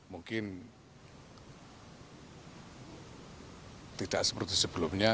mungkin tidak seperti sebelumnya